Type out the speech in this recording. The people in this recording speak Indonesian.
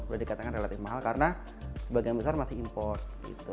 boleh dikatakan relatif mahal karena sebagian besar masih import gitu